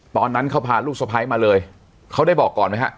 ตอนนั้นเขาพาลูกสะพ้ายมาเลยเขาได้บอกก่อนไหมฮะ